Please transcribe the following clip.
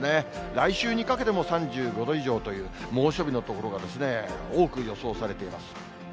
来週にかけても３５度以上という猛暑日の所が多く予想されています。